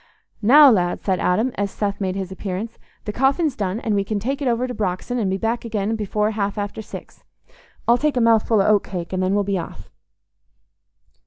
"Now, lad," said Adam, as Seth made his appearance, "the coffin's done, and we can take it over to Brox'on, and be back again before half after six. I'll take a mouthful o' oat cake, and then we'll be off."